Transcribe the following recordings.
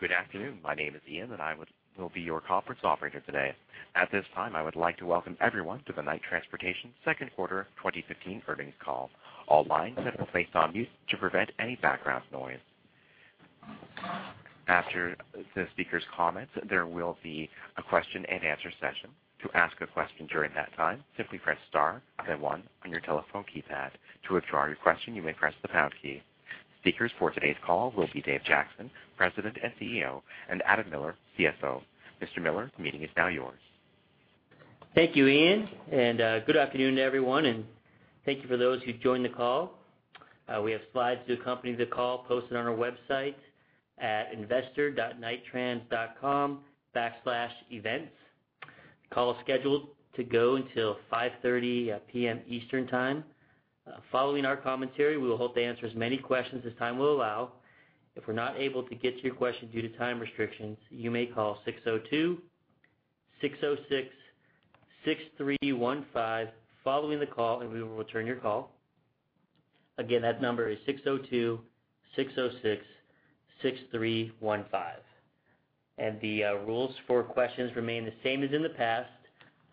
Good afternoon. My name is Ian, and I will be your conference operator today. At this time, I would like to welcome everyone to the Knight Transportation second quarter 2015 earnings call. All lines have been placed on mute to prevent any background noise. After the speaker's comments, there will be a question-and-answer session. To ask a question during that time, simply press star, then one on your telephone keypad. To withdraw your question, you may press the pound key. Speakers for today's call will be Dave Jackson, President and CEO, and Adam Miller, CFO. Mr. Miller, the meeting is now yours. Thank you, Ian, and good afternoon to everyone, and thank you for those who joined the call. We have slides to accompany the call posted on our website at investor.knighttrans.com/events. The call is scheduled to go until 5:30 P.M. Eastern Time. Following our commentary, we will hope to answer as many questions as time will allow. If we're not able to get to your question due to time restrictions, you may call 602-606-6315 following the call, and we will return your call. Again, that number is 602-606-6315. And the rules for questions remain the same as in the past.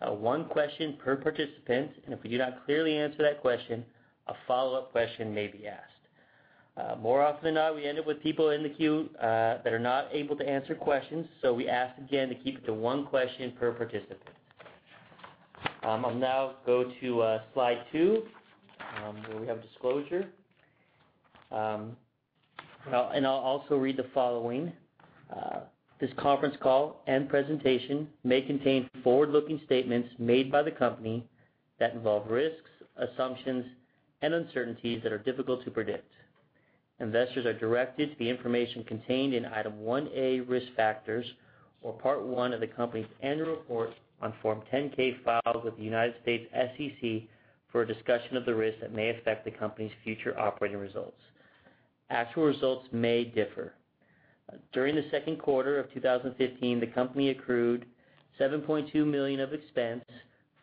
One question per participant, and if we do not clearly answer that question, a follow-up question may be asked. More often than not, we end up with people in the queue that are not able to answer questions, so we ask again to keep it to one question per participant. I'll now go to slide 2, where we have disclosure. Well, and I'll also read the following. This conference call and presentation may contain forward-looking statements made by the company that involve risks, assumptions, and uncertainties that are difficult to predict. Investors are directed to the information contained in Item 1A, Risk Factors, or Part One of the company's annual report on Form 10-K, filed with the United States SEC for a discussion of the risks that may affect the company's future operating results. Actual results may differ. During the second quarter of 2015, the company accrued $7.2 million of expense,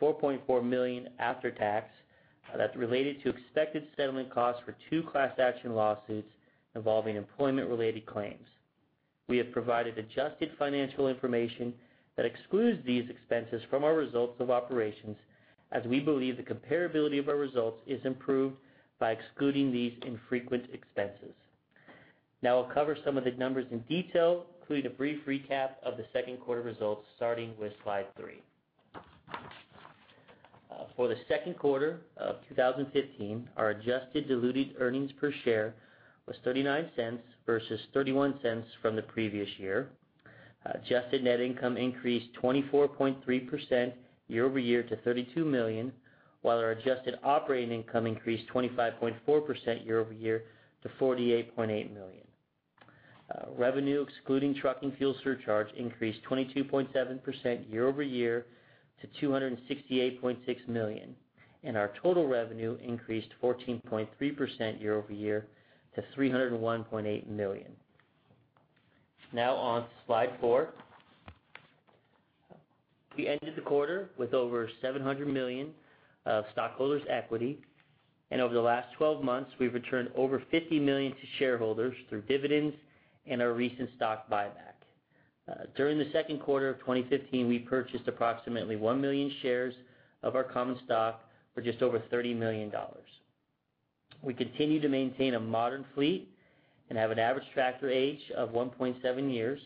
$4.4 million after tax. That's related to expected settlement costs for two class action lawsuits involving employment-related claims. We have provided adjusted financial information that excludes these expenses from our results of operations, as we believe the comparability of our results is improved by excluding these infrequent expenses. Now, I'll cover some of the numbers in detail, including a brief recap of the second quarter results, starting with slide 3. For the second quarter of 2015, our adjusted diluted earnings per share was $0.39 versus $0.31 from the previous year. Adjusted net income increased 24.3% year-over-year to $32 million, while our adjusted operating income increased 25.4% year-over-year to $48.8 million. Revenue, excluding trucking fuel surcharge, increased 22.7% year-over-year to $268.6 million, and our total revenue increased 14.3% year-over-year to $301.8 million. Now on to slide 4. We ended the quarter with over $700 million of stockholders' equity, and over the last 12 months, we've returned over $50 million to shareholders through dividends and our recent stock buyback. During the second quarter of 2015, we purchased approximately 1 million shares of our common stock for just over $30 million. We continue to maintain a modern fleet and have an average tractor age of 1.7 years.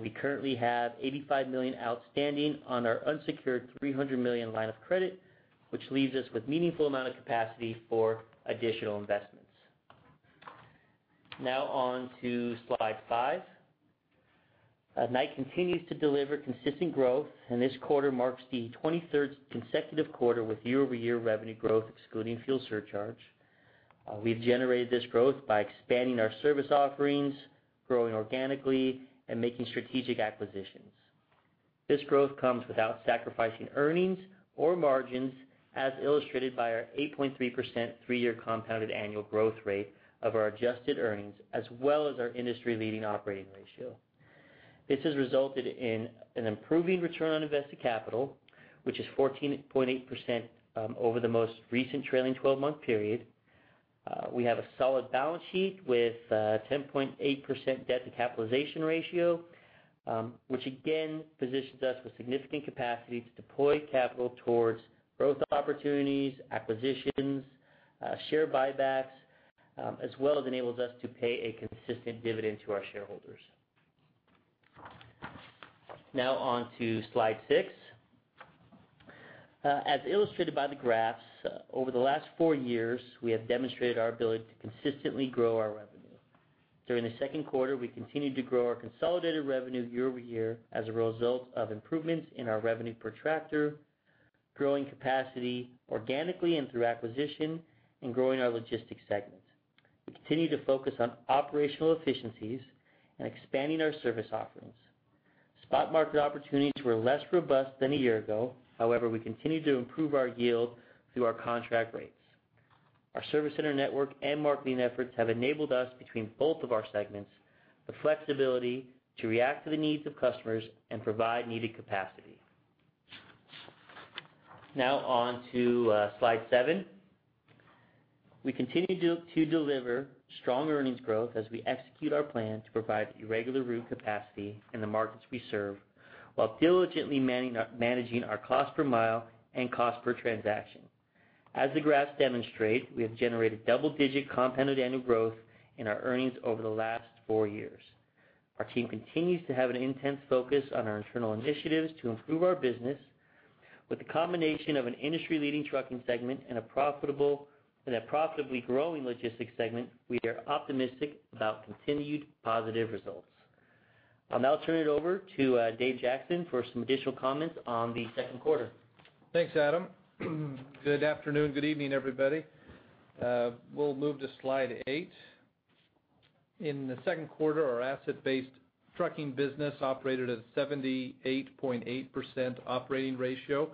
We currently have $85 million outstanding on our unsecured $300 million line of credit, which leaves us with meaningful amount of capacity for additional investments. Now on to slide five. Knight continues to deliver consistent growth, and this quarter marks the 23rd consecutive quarter with year-over-year revenue growth, excluding fuel surcharge. We've generated this growth by expanding our service offerings, growing organically, and making strategic acquisitions. This growth comes without sacrificing earnings or margins, as illustrated by our 8.3% three-year compounded annual growth rate of our adjusted earnings, as well as our industry-leading operating ratio. This has resulted in an improving return on invested capital, which is 14.8%, over the most recent trailing 12-month period. We have a solid balance sheet with a 10.8% debt to capitalization ratio, which again positions us with significant capacity to deploy capital towards growth opportunities, acquisitions, share buybacks, as well as enables us to pay a consistent dividend to our shareholders. Now on to slide 6. As illustrated by the graphs, over the last four years, we have demonstrated our ability to consistently grow our revenue. During the second quarter, we continued to grow our consolidated revenue year-over-year as a result of improvements in our revenue per tractor, growing capacity organically and through acquisition, and growing our logistics segment. We continue to focus on operational efficiencies and expanding our service offerings. Spot market opportunities were less robust than a year ago. However, we continued to improve our yield through our contract rates. Our service center network and marketing efforts have enabled us, between both of our segments, the flexibility to react to the needs of customers and provide needed capacity. Now on to slide 7. We continue to deliver strong earnings growth as we execute our plan to provide irregular route capacity in the markets we serve, while diligently managing our cost per mile and cost per transaction. As the graphs demonstrate, we have generated double-digit compounded annual growth in our earnings over the last four years. Our team continues to have an intense focus on our internal initiatives to improve our business. With the combination of an industry-leading trucking segment and a profitable, and a profitably growing logistics segment, we are optimistic about continued positive results. I'll now turn it over to Dave Jackson for some additional comments on the second quarter. Thanks, Adam. Good afternoon, good evening, everybody. We'll move to slide 8. In the second quarter, our asset-based trucking business operated at a 78.8% operating ratio,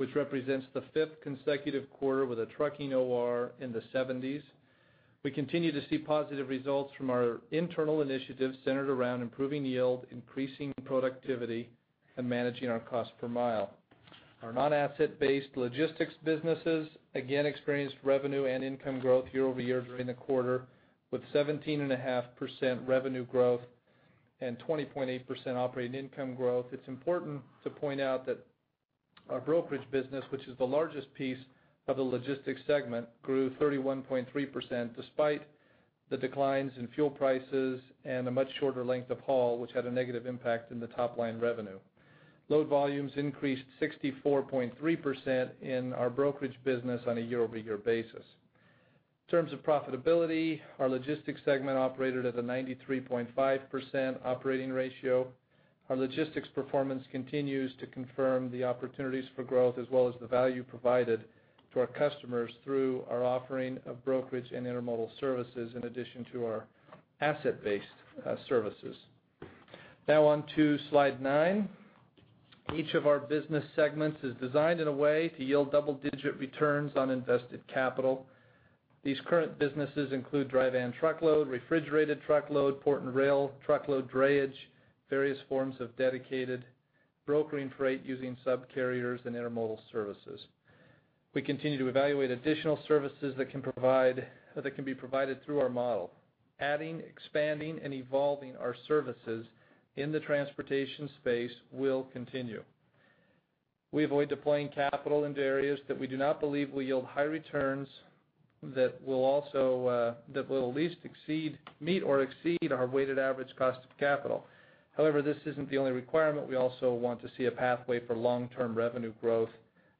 which represents the fifth consecutive quarter with a trucking OR in the 70s. We continue to see positive results from our internal initiatives centered around improving yield, increasing productivity, and managing our cost per mile. Our non-asset-based logistics businesses again experienced revenue and income growth year over year during the quarter, with 17.5% revenue growth and 20.8% operating income growth. It's important to point out that our brokerage business, which is the largest piece of the logistics segment, grew 31.3%, despite the declines in fuel prices and a much shorter length of haul, which had a negative impact in the top-line revenue. Load volumes increased 64.3% in our brokerage business on a year-over-year basis. In terms of profitability, our logistics segment operated at a 93.5% operating ratio. Our logistics performance continues to confirm the opportunities for growth, as well as the value provided to our customers through our offering of brokerage and intermodal services, in addition to our asset-based services. Now on to slide 9. Each of our business segments is designed in a way to yield double-digit returns on invested capital. These current businesses include dry van truckload, refrigerated truckload, port and rail, truckload drayage, various forms of dedicated brokering freight using subcarriers and intermodal services. We continue to evaluate additional services that can be provided through our model. Adding, expanding, and evolving our services in the transportation space will continue. We avoid deploying capital into areas that we do not believe will yield high returns, that will also, that will at least meet or exceed our weighted average cost of capital. However, this isn't the only requirement. We also want to see a pathway for long-term revenue growth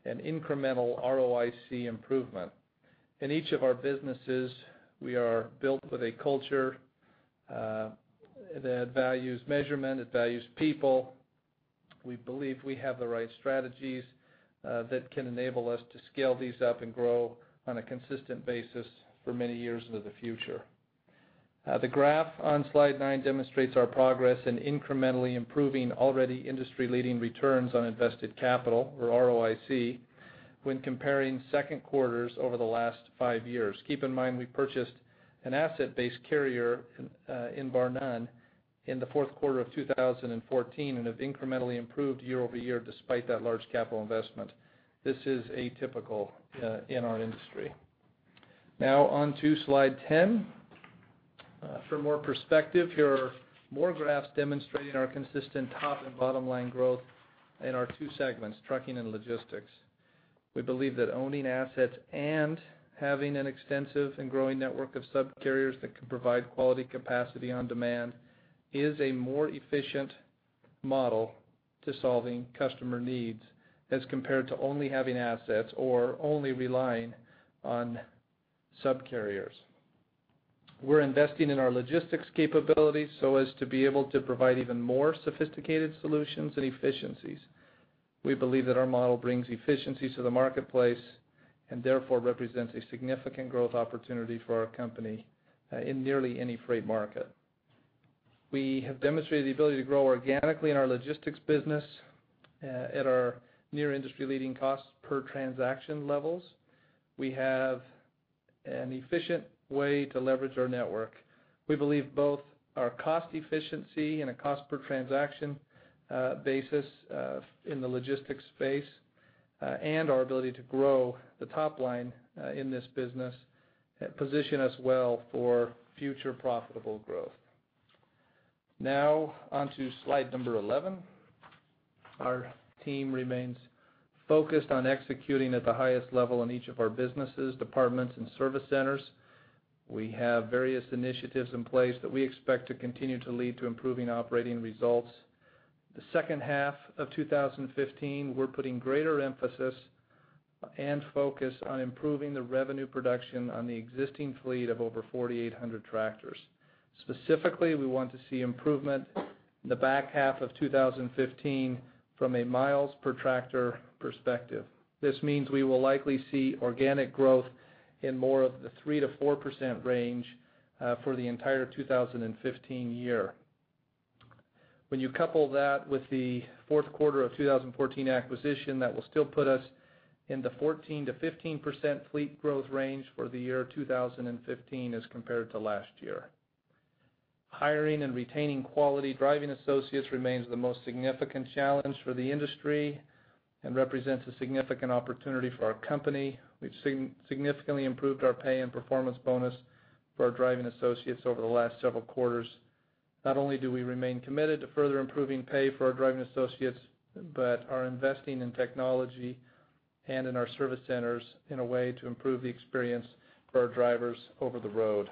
and incremental ROIC improvement. In each of our businesses, we are built with a culture that values measurement, it values people. We believe we have the right strategies that can enable us to scale these up and grow on a consistent basis for many years into the future. The graph on slide nine demonstrates our progress in incrementally improving already industry-leading returns on invested capital, or ROIC, when comparing second quarters over the last five years. Keep in mind, we purchased an asset-based carrier in Barr-Nunn in the fourth quarter of 2014, and have incrementally improved year over year despite that large capital investment. This is atypical in our industry. Now on to slide 10. For more perspective, here are more graphs demonstrating our consistent top and bottom-line growth in our two segments, trucking and logistics. We believe that owning assets and having an extensive and growing network of subcarriers that can provide quality capacity on demand is a more efficient model to solving customer needs, as compared to only having assets or only relying on subcarriers. We're investing in our logistics capabilities so as to be able to provide even more sophisticated solutions and efficiencies. We believe that our model brings efficiencies to the marketplace, and therefore, represents a significant growth opportunity for our company, in nearly any freight market. We have demonstrated the ability to grow organically in our logistics business, at our near industry-leading costs per transaction levels. We have an efficient way to leverage our network. We believe both our cost efficiency and a cost per transaction, basis, in the logistics space, and our ability to grow the top line, in this business, position us well for future profitable growth. Now on to slide number 11. Our team remains focused on executing at the highest level in each of our businesses, departments, and service centers. We have various initiatives in place that we expect to continue to lead to improving operating results. The second half of 2015, we're putting greater emphasis and focus on improving the revenue production on the existing fleet of over 4,800 tractors. Specifically, we want to see improvement in the back half of 2015 from a miles per tractor perspective. This means we will likely see organic growth in more of the 3%-4% range for the entire 2015 year. When you couple that with the fourth quarter of 2014 acquisition, that will still put us in the 14%-15% fleet growth range for the year 2015 as compared to last year. Hiring and retaining quality driving associates remains the most significant challenge for the industry and represents a significant opportunity for our company. We've significantly improved our pay and performance bonus for our driving associates over the last several quarters. Not only do we remain committed to further improving pay for our driving associates, but are investing in technology and in our service centers in a way to improve the experience for our drivers over the road.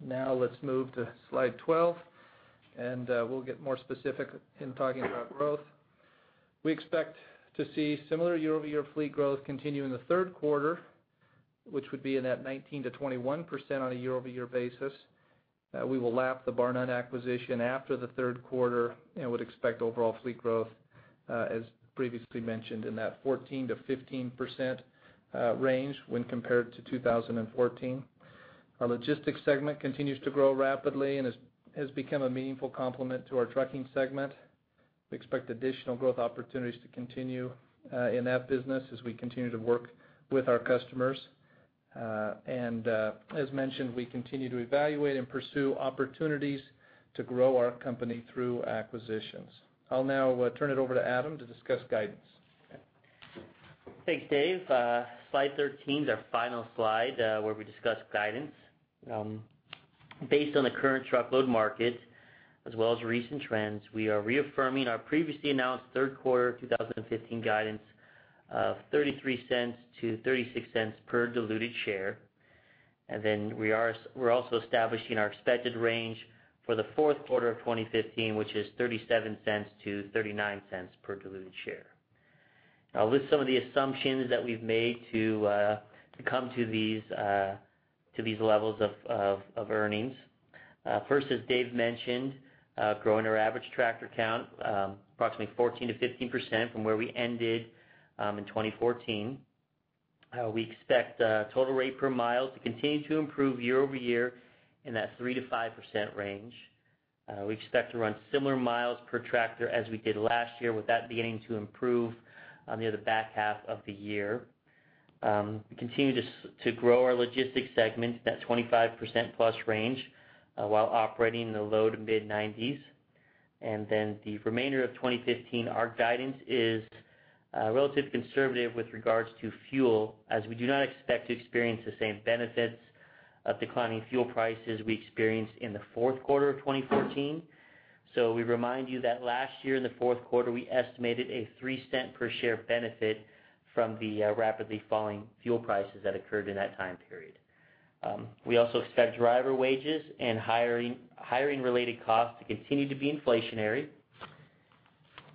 Now, let's move to slide 12, and we'll get more specific in talking about growth. We expect to see similar year-over-year fleet growth continue in the third quarter, which would be in that 19%-21% on a year-over-year basis. We will lap the Barr-Nunn acquisition after the third quarter and would expect overall fleet growth, as previously mentioned, in that 14%-15% range when compared to 2014. Our logistics segment continues to grow rapidly and has become a meaningful complement to our trucking segment. We expect additional growth opportunities to continue in that business as we continue to work with our customers. As mentioned, we continue to evaluate and pursue opportunities to grow our company through acquisitions. I'll now turn it over to Adam to discuss guidance. Thanks, Dave. Slide 13 is our final slide, where we discuss guidance. Based on the current truckload market, as well as recent trends, we are reaffirming our previously announced third quarter 2015 guidance of $0.33-$0.36 per diluted share. And then we're also establishing our expected range for the fourth quarter of 2015, which is $0.37-$0.39 per diluted share. I'll list some of the assumptions that we've made to come to these levels of earnings. First, as Dave mentioned, growing our average tractor count approximately 14%-15% from where we ended in 2014. We expect total rate per mile to continue to improve year-over-year in that 3%-5% range. We expect to run similar miles per tractor as we did last year, with that beginning to improve near the back half of the year. We continue to grow our logistics segment, that 25%+ range, while operating in the low to mid-90s. And then the remainder of 2015, our guidance is relatively conservative with regards to fuel, as we do not expect to experience the same benefits of declining fuel prices we experienced in the fourth quarter of 2014. So we remind you that last year, in the fourth quarter, we estimated a $0.03 per share benefit from the rapidly falling fuel prices that occurred in that time period. We also expect driver wages and hiring-related costs to continue to be inflationary.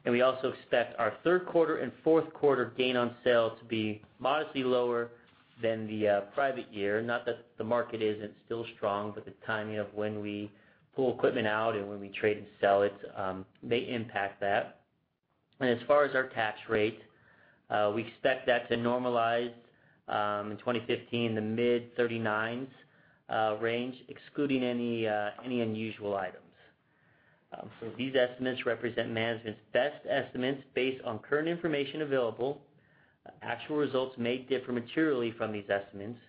We also expect our third quarter and fourth quarter gain on sale to be modestly lower than the prior year. Not that the market isn't still strong, but the timing of when we pull equipment out and when we trade and sell it may impact that. As far as our tax rate, we expect that to normalize in 2015, in the mid-39 range, excluding any unusual items. So these estimates represent management's best estimates based on current information available. Actual results may differ materially from these estimates.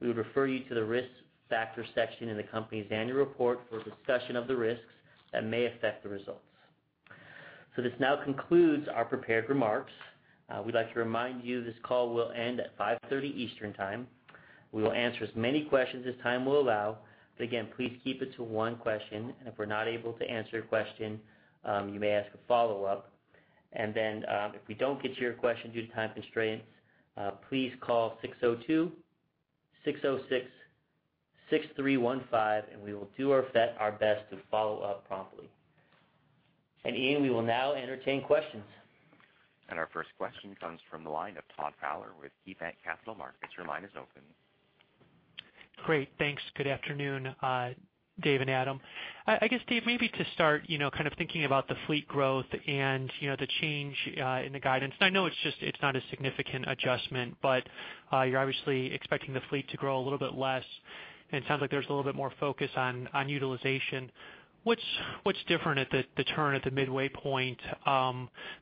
We would refer you to the Risk Factor section in the company's annual report for a discussion of the risks that may affect the results. This now concludes our prepared remarks. We'd like to remind you this call will end at 5:30 Eastern Time. We will answer as many questions as time will allow, but again, please keep it to one question, and if we're not able to answer your question, you may ask a follow-up. And then, if we don't get to your question due to time constraints, please call 602-606-6315, and we will do our best to follow up promptly. And Ian, we will now entertain questions. Our first question comes from the line of Todd Fowler with KeyBanc Capital Markets. Your line is open. Great, thanks. Good afternoon, Dave and Adam. I, I guess, Dave, maybe to start, you know, kind of thinking about the fleet growth and, you know, the change, in the guidance. I know it's just, it's not a significant adjustment, but, you're obviously expecting the fleet to grow a little bit less, and it sounds like there's a little bit more focus on, on utilization. What's, what's different at the, the turn, at the midway point,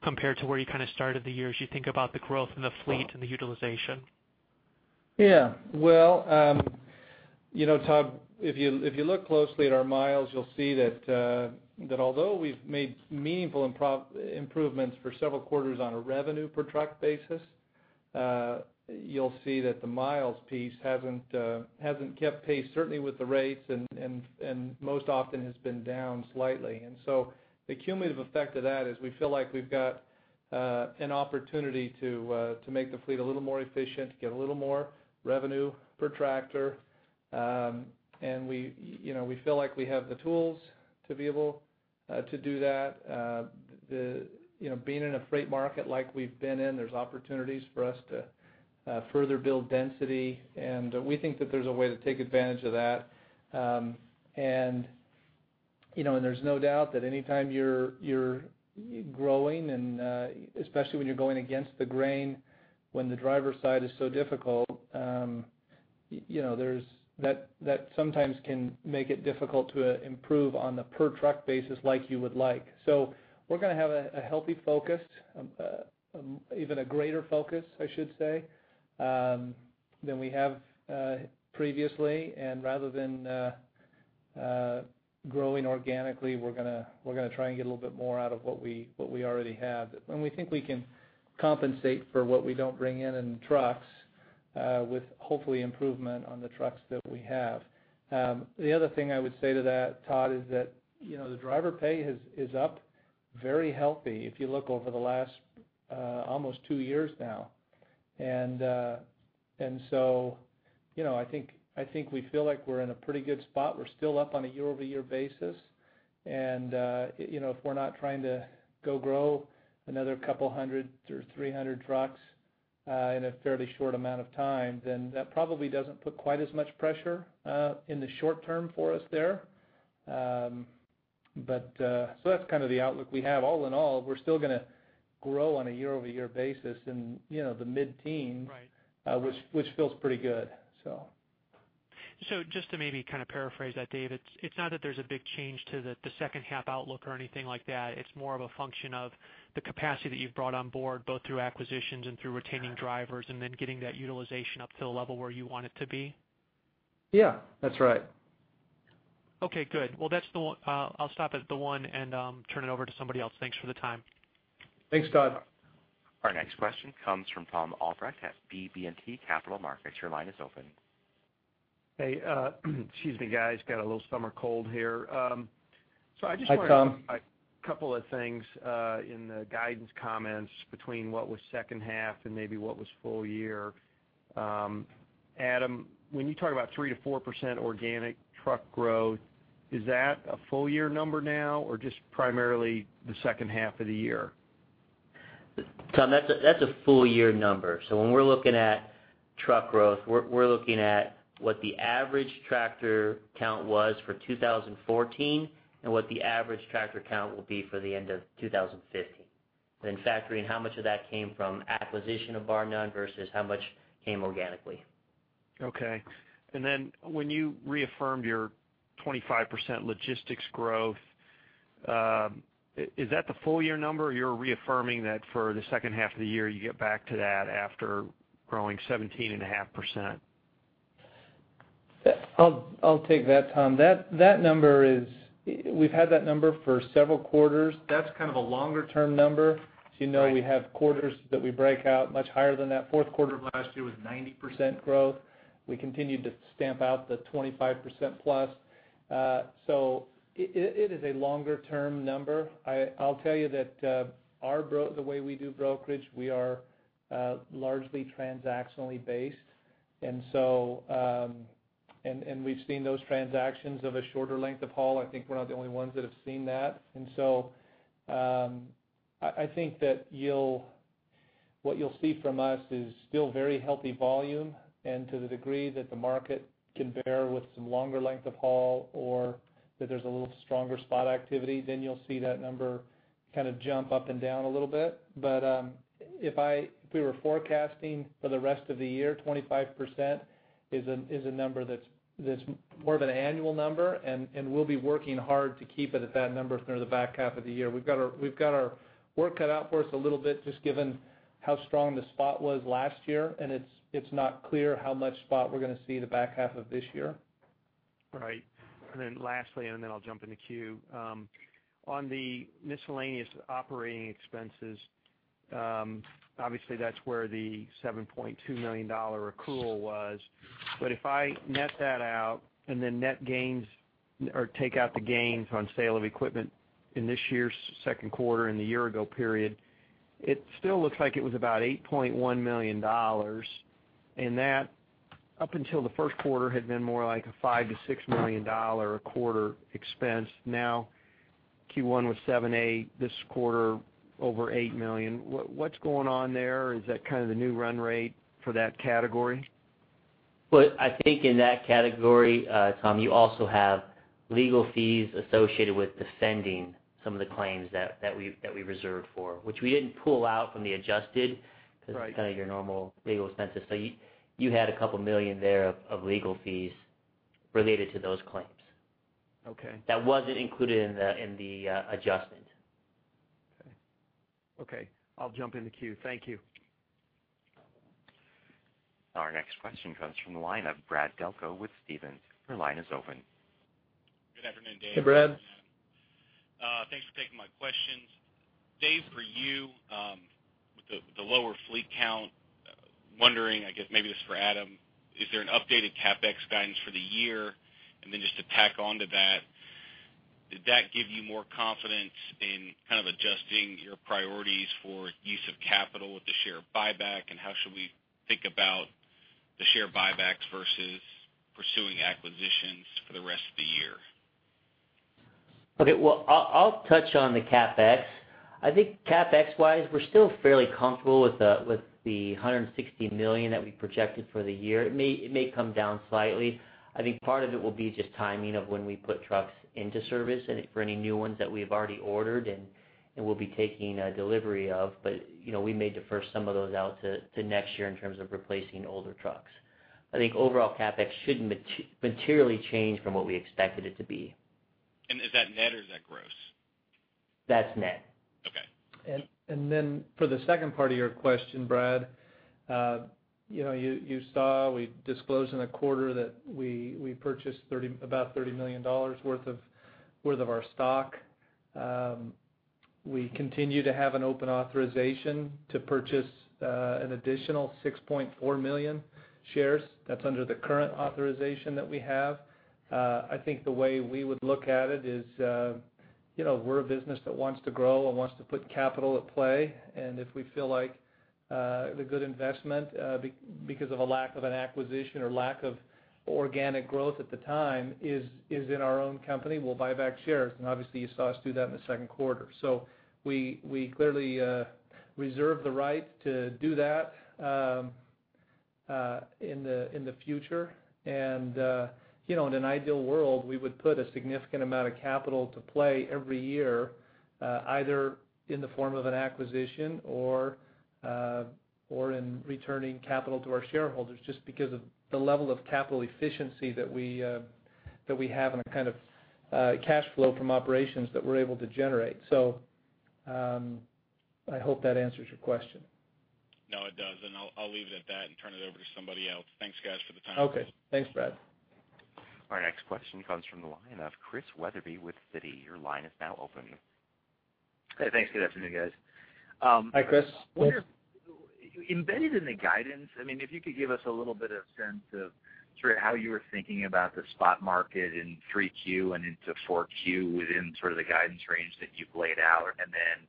compared to where you kind of started the year, as you think about the growth in the fleet and the utilization? Yeah. Well, you know, Todd, if you look closely at our miles, you'll see that although we've made meaningful improvements for several quarters on a revenue per truck basis, you'll see that the miles piece hasn't kept pace, certainly with the rates and most often has been down slightly. And so the cumulative effect of that is we feel like we've got an opportunity to make the fleet a little more efficient, get a little more revenue per tractor. And we, you know, we feel like we have the tools to be able to do that. The, you know, being in a freight market like we've been in, there's opportunities for us to further build density, and we think that there's a way to take advantage of that. And, you know, and there's no doubt that anytime you're growing, and especially when you're going against the grain, when the driver side is so difficult, you know, there's that sometimes can make it difficult to improve on a per truck basis like you would like. So we're gonna have a healthy focus, even a greater focus, I should say, than we have previously. And rather than growing organically, we're going to, we're going to try and get a little bit more out of what we already have. And we think we can compensate for what we don't bring in in trucks with hopefully improvement on the trucks that we have. The other thing I would say to that, Todd, is that, you know, the driver pay is up very healthy, if you look over the last almost two years now. And so, you know, I think, I think we feel like we're in a pretty good spot. We're still up on a year-over-year basis. And, you know, if we're not trying to go grow another couple 100 or 300 trucks in a fairly short amount of time, then that probably doesn't put quite as much pressure in the short term for us there. But, so that's kind of the outlook we have. All in all, we're still going to grow on a year-over-year basis in, you know, the mid-teens which feels pretty good, so. So just to maybe kind of paraphrase that, Dave, it's not that there's a big change to the second half outlook or anything like that. It's more of a function of the capacity that you've brought on board, both through acquisitions and through retaining drivers, and then getting that utilization up to the level where you want it to be? Yeah, that's right. Okay, good. Well, that's the one. I'll stop at the one and turn it over to somebody else. Thanks for the time. Thanks, Todd. Our next question comes from Tom Albrecht at BB&T Capital Markets. Your line is open. Hey, excuse me, guys. Got a little summer cold here. So, I just wanted to- Hi, Tom. A couple of things in the guidance comments between what was second half and maybe what was full year. Adam, when you talk about 3%-4% organic truck growth, is that a full year number now, or just primarily the second half of the year? Tom, that's a full year number. So when we're looking at truck growth, we're looking at what the average tractor count was for 2014, and what the average tractor count will be for the end of 2015. Then factoring how much of that came from acquisition of Barr-Nunn versus how much came organically. Okay. And then when you reaffirmed your 25% logistics growth, is that the full year number, or you're reaffirming that for the second half of the year, you get back to that after growing 17.5%? I'll take that, Tom. That number is, we've had that number for several quarters. That's kind of a longer-term number. As you know, we have quarters that we break out much higher than that. Fourth quarter of last year was 90% growth. We continued to stamp out the 25%+. So it is a longer-term number. I'll tell you that, our brokerage, the way we do brokerage, we are largely transactionally based. And so, and we've seen those transactions of a shorter length of haul. I think we're not the only ones that have seen that. And so, I think that what you'll see from us is still very healthy volume, and to the degree that the market can bear with some longer length of haul or that there's a little stronger spot activity, then you'll see that number kind of jump up and down a little bit. But, if we were forecasting for the rest of the year, 25% is a, is a number that's, that's more of an annual number, and, and we'll be working hard to keep it at that number through the back half of the year. We've got our, we've got our work cut out for us a little bit, just given how strong the spot was last year, and it's, it's not clear how much spot we're going to see in the back half of this year. Right. And then lastly, and then I'll jump in the queue. On the miscellaneous operating expenses, obviously, that's where the $7.2 million accrual was. But if I net that out, and then net gains or take out the gains on sale of equipment in this year's second quarter and the year ago period, it still looks like it was about $8.1 million, and that, up until the first quarter, had been more like a $5 million-$6 million a quarter expense. Now, Q1 was $7 million-$8 million, this quarter, over $8 million. What, what's going on there? Is that kind of the new run rate for that category? Well, I think in that category, Tom, you also have legal fees associated with defending some of the claims that we reserved for, which we didn't pull out from the adjusted 'cause kind of your normal legal expenses. So you had a couple million there of legal fees related to those claims. Okay. That wasn't included in the adjustment. Okay. Okay, I'll jump in the queue. Thank you. Our next question comes from the line of Brad Delco with Stephens. Your line is open. Good afternoon, Dave. Hey, Brad. Thanks for taking my questions. Dave, for you, with the lower fleet count, wondering, I guess maybe this is for Adam, is there an updated CapEx guidance for the year? And then just to tack onto that, did that give you more confidence in kind of adjusting your priorities for use of capital with the share buyback, and how should we think about the share buybacks versus pursuing acquisitions for the rest of the year? Okay, well, I'll touch on the CapEx. I think CapEx-wise, we're still fairly comfortable with the $160 million that we projected for the year. It may come down slightly. I think part of it will be just timing of when we put trucks into service, and for any new ones that we've already ordered and we'll be taking delivery of. But, you know, we may defer some of those out to next year in terms of replacing older trucks. I think overall CapEx shouldn't materially change from what we expected it to be. Is that net or is that gross? That's net. Okay. And then for the second part of your question, Brad, you know, you saw, we disclosed in the quarter that we purchased about $30 million worth of our stock. We continue to have an open authorization to purchase an additional 6.4 million shares. That's under the current authorization that we have. I think the way we would look at it is, you know, we're a business that wants to grow and wants to put capital at play. And if we feel like the good investment because of a lack of an acquisition or lack of organic growth at the time is in our own company, we'll buy back shares. And obviously, you saw us do that in the second quarter. So we clearly reserve the right to do that in the future. And, you know, in an ideal world, we would put a significant amount of capital to play every year, either in the form of an acquisition or in returning capital to our shareholders, just because of the level of capital efficiency that we have and the kind of cash flow from operations that we're able to generate. So, I hope that answers your question. No, it does, and I'll leave it at that and turn it over to somebody else. Thanks, guys, for the time. Okay. Thanks, Brad. Our next question comes from the line of Chris Wetherbee with Citi. Your line is now open. Hey, thanks. Good afternoon, guys. Hi, Chris. Embedded in the guidance, I mean, if you could give us a little bit of sense of sort of how you were thinking about the spot market in 3Q and into 4Q, within sort of the guidance range that you've laid out. And then,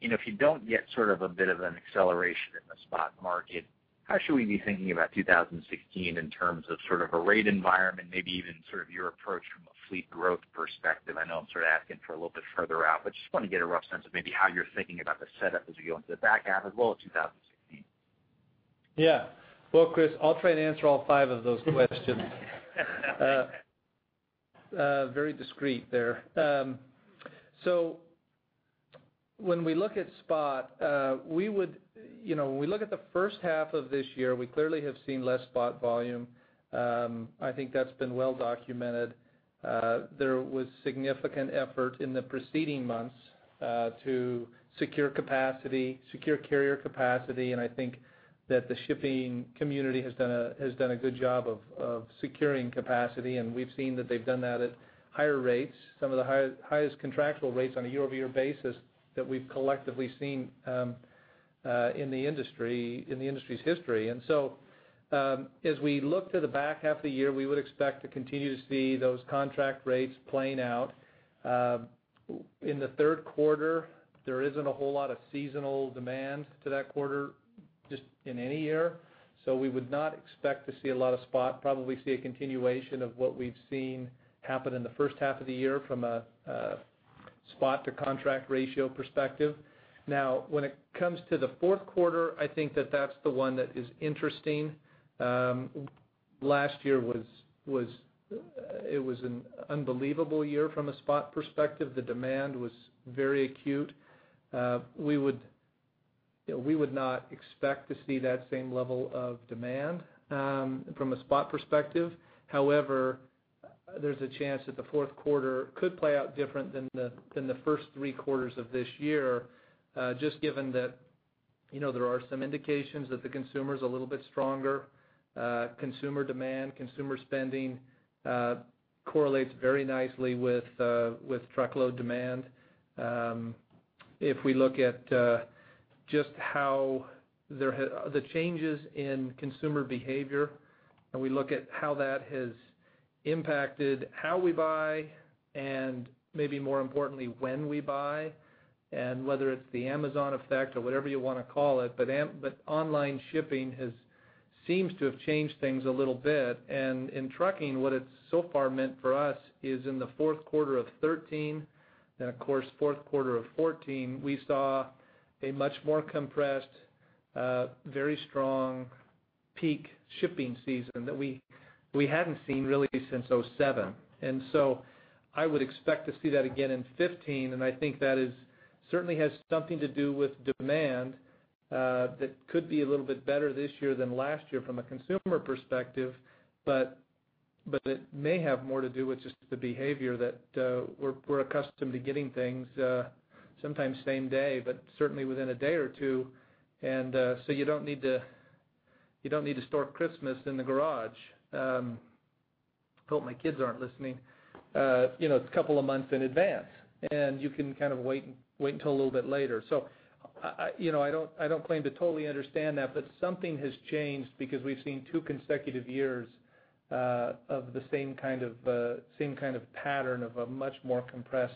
you know, if you don't get sort of a bit of an acceleration in the spot market, how should we be thinking about 2016 in terms of sort of a rate environment, maybe even sort of your approach from a fleet growth perspective? I know I'm sort of asking for a little bit further out, but just want to get a rough sense of maybe how you're thinking about the setup as we go into the back half, as well as 2016. Yeah. Well, Chris, I'll try and answer all five of those questions. Very discrete there. So when we look at spot, we would, you know, when we look at the first half of this year, we clearly have seen less spot volume. I think that's been well documented. There was significant effort in the preceding months to secure capacity, secure carrier capacity, and I think that the shipping community has done a good job of securing capacity, and we've seen that they've done that at higher rates, some of the highest contractual rates on a year-over-year basis that we've collectively seen in the industry, in the industry's history. And so, as we look to the back half of the year, we would expect to continue to see those contract rates playing out. In the third quarter, there isn't a whole lot of seasonal demand to that quarter, just in any year, so we would not expect to see a lot of spot. Probably see a continuation of what we've seen happen in the first half of the year from a spot to contract ratio perspective. Now, when it comes to the fourth quarter, I think that that's the one that is interesting. Last year was an unbelievable year from a spot perspective. The demand was very acute. We would not expect to see that same level of demand from a spot perspective. However, there's a chance that the fourth quarter could play out different than the than the first three quarters of this year, just given that, you know, there are some indications that the consumer is a little bit stronger, consumer demand, consumer spending, correlates very nicely with with truckload demand. If we look at just how there, the changes in consumer behavior, and we look at how that has impacted how we buy, and maybe more importantly, when we buy, and whether it's the Amazon effect or whatever you want to call it, but but online shipping has seems to have changed things a little bit. In trucking, what it's so far meant for us is in the fourth quarter of 2013, and of course, fourth quarter of 2014, we saw a much more compressed, very strong peak shipping season that we hadn't seen really since 2007. So I would expect to see that again in 2015, and I think that certainly has something to do with demand that could be a little bit better this year than last year from a consumer perspective, but it may have more to do with just the behavior that we're accustomed to getting things, sometimes same day, but certainly within a day or two. So you don't need to store Christmas in the garage. I hope my kids aren't listening. You know, it's a couple of months in advance, and you can kind of wait, wait until a little bit later. So, you know, I don't, I don't claim to totally understand that, but something has changed because we've seen two consecutive years of the same kind of same kind of pattern of a much more compressed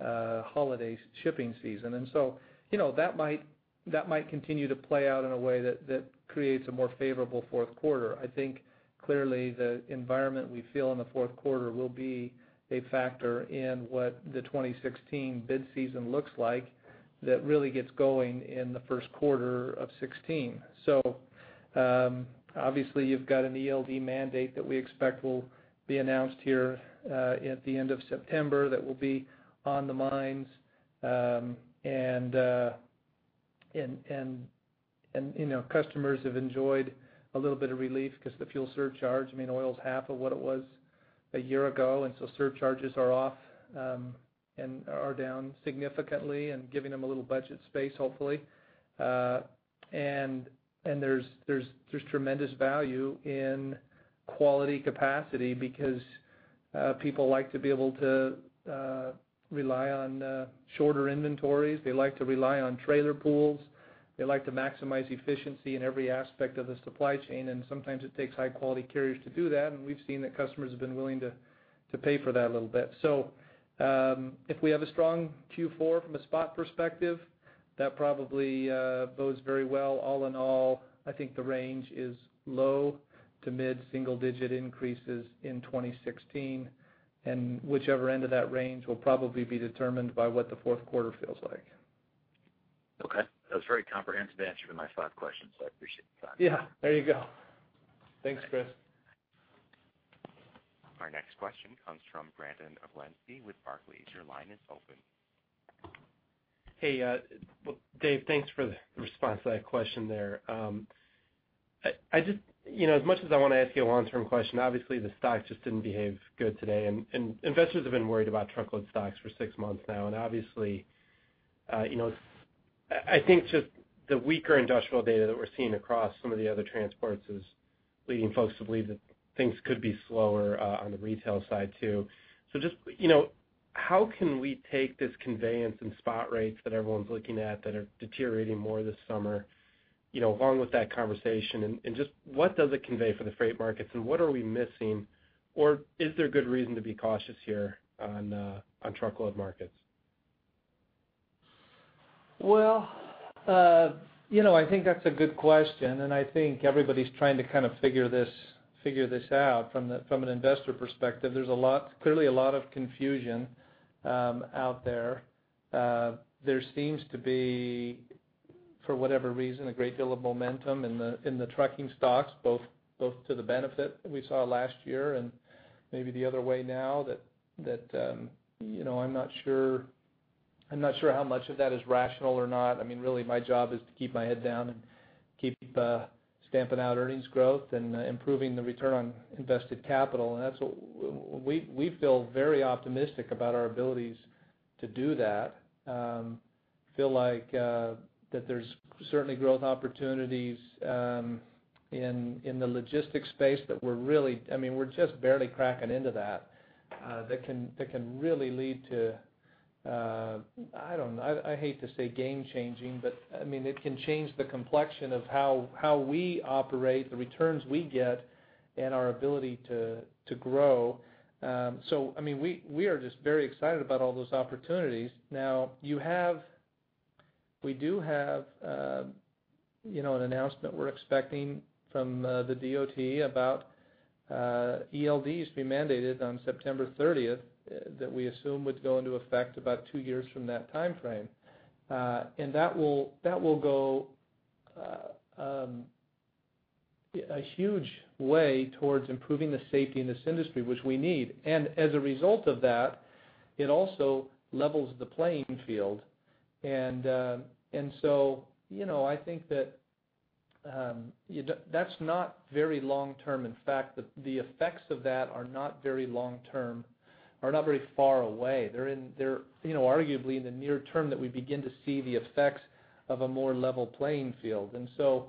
holiday shipping season. And so, you know, that might, that might continue to play out in a way that, that creates a more favorable fourth quarter. I think clearly, the environment we feel in the fourth quarter will be a factor in what the 2016 bid season looks like, that really gets going in the first quarter of 2016. So, obviously, you've got an ELD mandate that we expect will be announced here at the end of September. That will be on the minds, you know, customers have enjoyed a little bit of relief because the fuel surcharge, I mean, oil's half of what it was a year ago, and so surcharges are off, and are down significantly and giving them a little budget space, hopefully. And there's tremendous value in quality capacity because people like to be able to rely on shorter inventories. They like to rely on trailer pools. They like to maximize efficiency in every aspect of the supply chain, and sometimes it takes high-quality carriers to do that, and we've seen that customers have been willing to pay for that a little bit. So, if we have a strong Q4 from a spot perspective, that probably bodes very well. All in all, I think the range is low- to mid-single-digit increases in 2016, and whichever end of that range will probably be determined by what the fourth quarter feels like. Okay. That was a very comprehensive answer to my five questions, so I appreciate the time. Yeah, there you go. Thanks, Chris. Our next question comes from Brandon Oglenski with Barclays. Your line is open. Hey, Dave, thanks for the response to that question there. I just, you know, as much as I want to ask you a long-term question, obviously, the stock just didn't behave good today, and investors have been worried about truckload stocks for six months now. Obviously, you know, I think just the weaker industrial data that we're seeing across some of the other transports is leading folks to believe that things could be slower on the retail side, too. So just, you know, how can we take this conveyance and spot rates that everyone's looking at that are deteriorating more this summer, you know, along with that conversation, and just what does it convey for the freight markets, and what are we missing, or is there good reason to be cautious here on truckload markets? Well, you know, I think that's a good question, and I think everybody's trying to kind of figure this, figure this out from the, from an investor perspective. There's a lot, clearly a lot of confusion, out there. There seems to be, for whatever reason, a great deal of momentum in the, in the trucking stocks, both, both to the benefit we saw last year and maybe the other way now that, that, you know, I'm not sure, I'm not sure how much of that is rational or not. I mean, really, my job is to keep my head down and keep, stamping out earnings growth and, improving the return on invested capital. And that's what, we, we feel very optimistic about our abilities to do that. Feel like that there's certainly growth opportunities in the logistics space, but we're really, I mean, we're just barely cracking into that that can really lead to, I don't know. I hate to say game changing, but, I mean, it can change the complexion of how we operate, the returns we get, and our ability to grow. So I mean, we are just very excited about all those opportunities. Now we do have, you know, an announcement we're expecting from the DOT about ELDs to be mandated on September 30th that we assume would go into effect about two years from that time frame. And that will go a huge way towards improving the safety in this industry, which we need. And as a result of that, it also levels the playing field. And, and so, you know, I think that, That's not very long term. In fact, the effects of that are not very long term, are not very far away. They're in, you know, arguably in the near term that we begin to see the effects of a more level playing field. And so,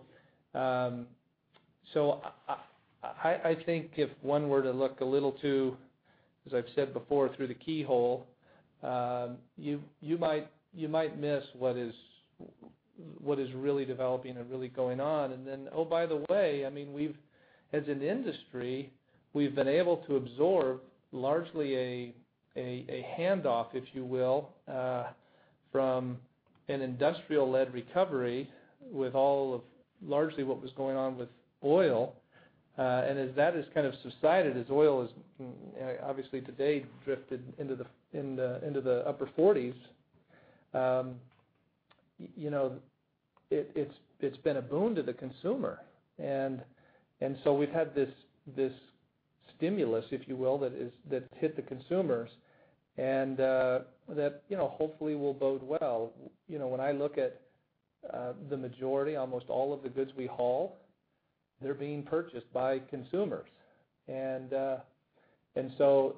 so I think if one were to look a little too, as I've said before, through the keyhole, you might miss what is really developing and really going on. And then, oh, by the way, I mean, as an industry, we've been able to absorb largely a handoff, if you will, from an industrial-led recovery with all of largely what was going on with oil. And as that has kind of subsided, as oil has obviously today drifted into the upper 40s, you know, it, it's, it's been a boon to the consumer. And so we've had this stimulus, if you will, that hit the consumers, and that, you know, hopefully will bode well. You know, when I look at the majority, almost all of the goods we haul, they're being purchased by consumers. And so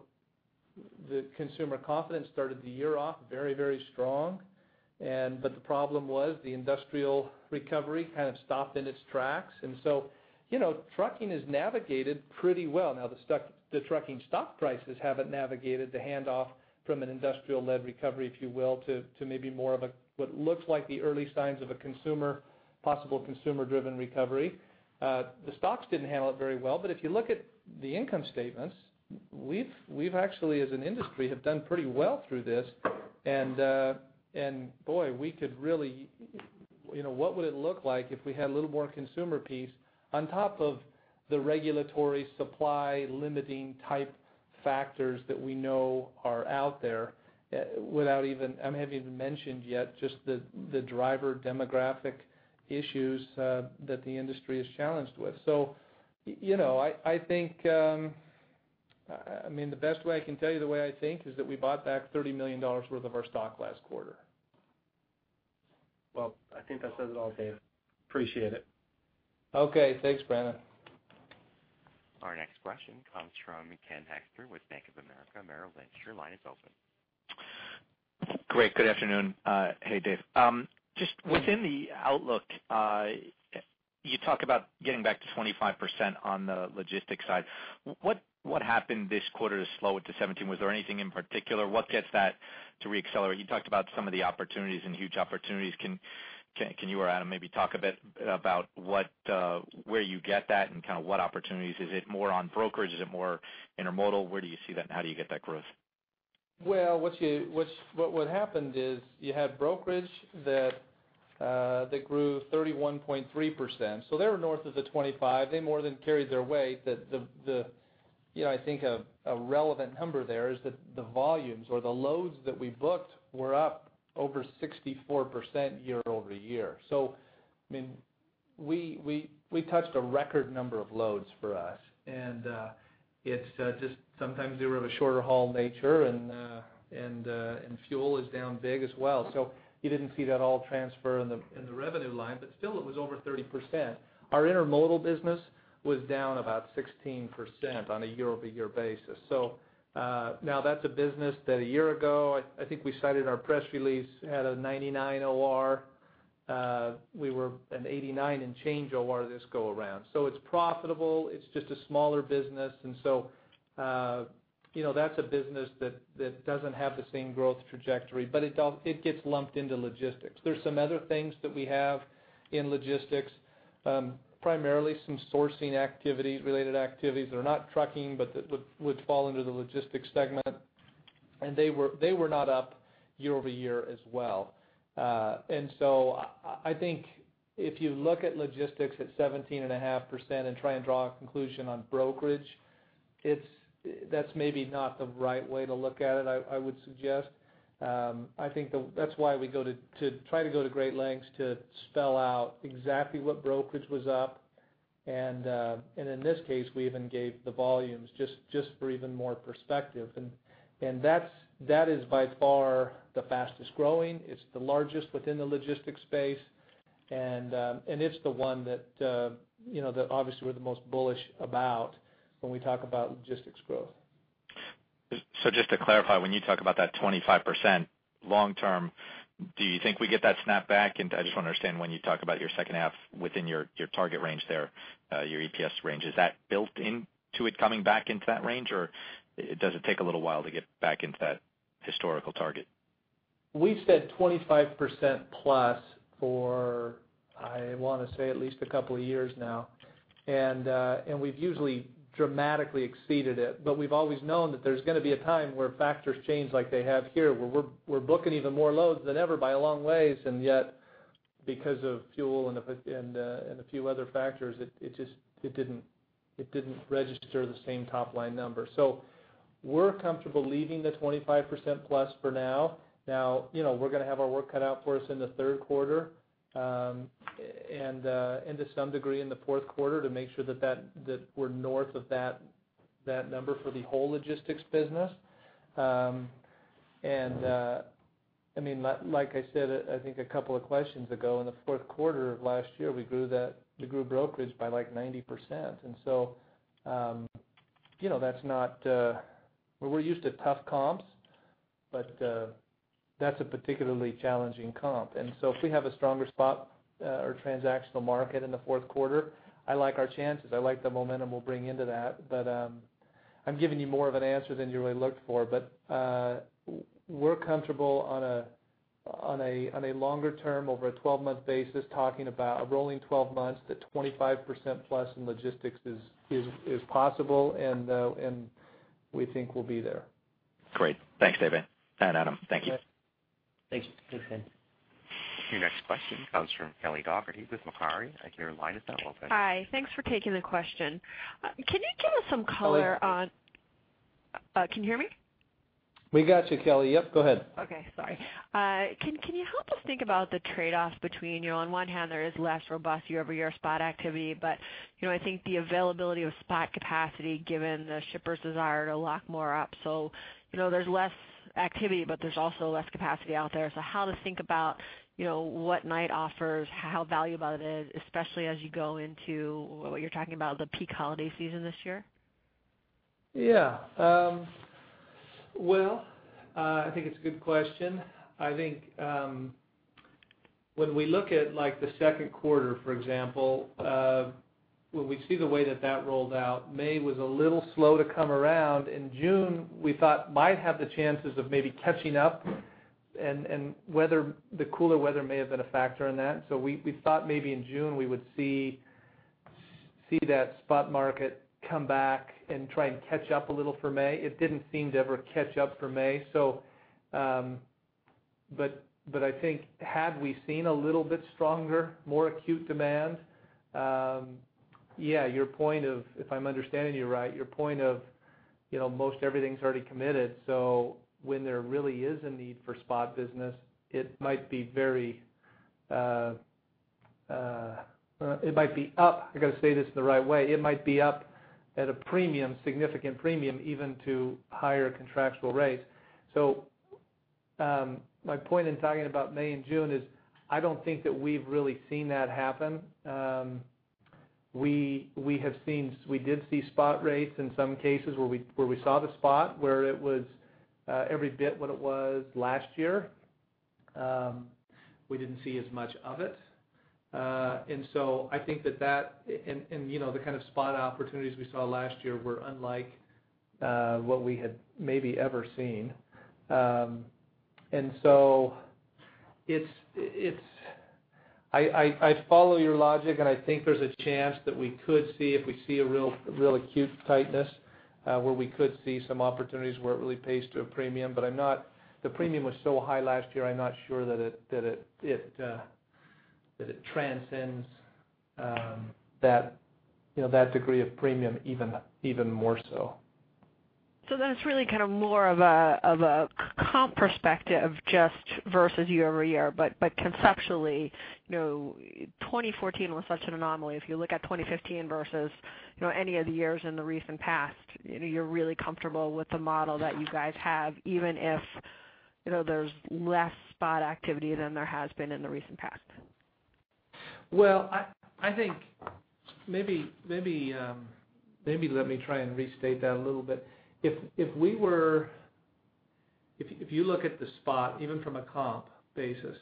the consumer confidence started the year off very, very strong, but the problem was the industrial recovery kind of stopped in its tracks. And so, you know, trucking has navigated pretty well. Now, the stock, the trucking stock prices haven't navigated the handoff from an industrial-led recovery, if you will, to maybe more of a what looks like the early signs of a consumer, possible consumer-driven recovery. The stocks didn't handle it very well, but if you look at the income statements, we've actually, as an industry, have done pretty well through this. And boy, we could really, you know, what would it look like if we had a little more consumer piece on top of the regulatory supply-limiting type factors that we know are out there, without even I haven't even mentioned yet, just the driver demographic issues that the industry is challenged with. So, you know, I think. I mean, the best way I can tell you the way I think, is that we bought back $30 million worth of our stock last quarter. Well, I think that says it all, Dave. Appreciate it. Okay. Thanks, Brandon. Our next question comes from Ken Hoexter with Bank of America Merrill Lynch. Your line is open. Great. Good afternoon. Hey, Dave. Just within the outlook, you talk about getting back to 25% on the logistics side. What happened this quarter to slow it to 17%? Was there anything in particular? What gets that to reaccelerate? You talked about some of the opportunities and huge opportunities. Can you or Adam maybe talk a bit about what, where you get that and kind of what opportunities? Is it more on brokerage? Is it more intermodal? Where do you see that, and how do you get that growth? Well, what happened is you had brokerage that grew 31.3%, so they were north of the 25%. They more than carried their weight. You know, I think a relevant number there is that the volumes or the loads that we booked were up over 64% year-over-year. So, I mean, we touched a record number of loads for us, and it's just sometimes they were of a shorter haul nature, and fuel is down big as well. So you didn't see that all transfer in the revenue line, but still it was over 30%. Our Intermodal business was down about 16% on a year-over-year basis. So, now, that's a business that a year ago, I think we cited our press release at a 99 OR. We were an 89 and change OR this go around. So it's profitable. It's just a smaller business. And so, you know, that's a business that doesn't have the same growth trajectory, but it all gets lumped into logistics. There's some other things that we have in logistics, primarily some sourcing activity, related activities that are not trucking, but that would fall under the logistics segment, and they were not up year-over-year as well. And so I think if you look at logistics at 17.5% and try and draw a conclusion on brokerage, it's, that's maybe not the right way to look at it, I would suggest. I think that's why we go to great lengths to spell out exactly what brokerage was up, and in this case, we even gave the volumes just for even more perspective. And that's by far the fastest growing. It's the largest within the logistics space, and it's the one that, you know, that obviously we're the most bullish about when we talk about logistics growth. So just to clarify, when you talk about that 25% long term, do you think we get that snapback? And I just want to understand, when you talk about your second half within your, your target range there, your EPS range, is that built into it coming back into that range, or does it take a little while to get back into that historical target? We've said 25%+ for, I want to say, at least a couple of years now. And we've usually dramatically exceeded it, but we've always known that there's going to be a time where factors change like they have here, where we're booking even more loads than ever by a long ways, and yet, because of fuel and a few other factors, it just didn't register the same top-line number. So we're comfortable leaving the 25%+ for now. Now, you know, we're going to have our work cut out for us in the third quarter and to some degree in the fourth quarter, to make sure that we're north of that number for the whole logistics business. I mean, like I said, I think a couple of questions ago, in the fourth quarter of last year, we grew brokerage by, like, 90%. And so, you know, that's not, we're used to tough comps, but that's a particularly challenging comp. And so if we have a stronger spot or transactional market in the fourth quarter, I like our chances. I like the momentum we'll bring into that. But I'm giving you more of an answer than you really looked for. But we're comfortable on a longer term, over a 12-month basis, talking about a rolling 12 months, that 25%+ in logistics is possible, and we think we'll be there. Great. Thanks, David, and Adam. Thank you. Thanks. Thanks, Ken. Your next question comes from Kelly Dougherty with Macquarie. Your line is now open. Hi. Thanks for taking the question. Can you give us some color on- Hello. Can you hear me? We got you, Kelly. Yep, go ahead. Okay, sorry. Can you help us think about the trade-off between, you know, on one hand, there is less robust year-over-year spot activity, but, you know, I think the availability of spot capacity given the shippers' desire to lock more up. So, you know, there's less activity, but there's also less capacity out there. So how to think about, you know, what Knight offers, how valuable it is, especially as you go into what you're talking about, the peak holiday season this year? Yeah. Well, I think it's a good question. I think, when we look at, like, the second quarter, for example, when we see the way that that rolled out, May was a little slow to come around. In June, we thought might have the chances of maybe catching up, and the cooler weather may have been a factor in that. So we thought maybe in June we would see that spot market come back and try and catch up a little for May. It didn't seem to ever catch up for May, so, but I think had we seen a little bit stronger, more acute demand, yeah, your point of, if I'm understanding you right, your point of, you know, most everything's already committed. So when there really is a need for spot business, it might be very, it might be up, I got to say this the right way. It might be up at a premium, significant premium, even to higher contractual rates. So, my point in talking about May and June is, I don't think that we've really seen that happen. We have seen, we did see spot rates in some cases where we saw the spot, where it was every bit what it was last year. We didn't see as much of it. And so I think that, and you know, the kind of spot opportunities we saw last year were unlike what we had maybe ever seen. I follow your logic, and I think there's a chance that we could see, if we see a real real acute tightness, where we could see some opportunities where it really pays to a premium. But I'm not. The premium was so high last year. I'm not sure that it transcends that, you know, that degree of premium even more so. So then it's really kind of more of a comp perspective, just versus year-over-year. But conceptually, you know, 2014 was such an anomaly. If you look at 2015 versus, you know, any of the years in the recent past, you know, you're really comfortable with the model that you guys have, even if, you know, there's less spot activity than there has been in the recent past. Well, I think maybe let me try and restate that a little bit. If you look at the spot, even from a comp basis,